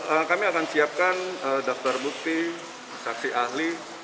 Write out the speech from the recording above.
eee kami akan siapkan daftar bukti saksi ahli